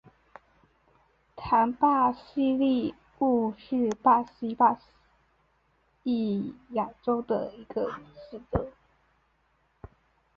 唐巴西利乌是巴西巴伊亚州的一个市镇。